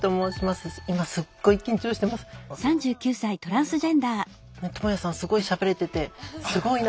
もう何かともやさんすごいしゃべれててすごいな。